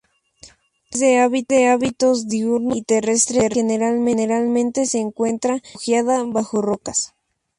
Es de hábitos diurnos y terrestres, generalmente se encuentra refugiada bajo rocas.